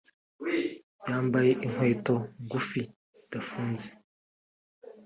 yambaye n’inkweto ngufi zidafunze